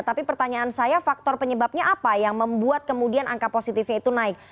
tapi pertanyaan saya faktor penyebabnya apa yang membuat kemudian angka positifnya itu naik